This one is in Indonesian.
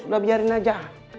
udah biarin aja